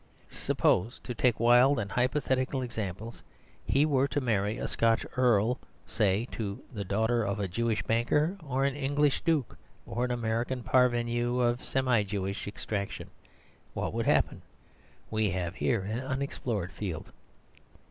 Suppose, to take wild and hypothetical examples, he were to marry a Scotch earl, say, to the daughter of a Jewish banker, or an English duke to an American parvenu of semi Jewish extraction? What would happen? We have here an unexplored field.